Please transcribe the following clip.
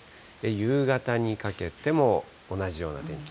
夕方にかけても同じような天気。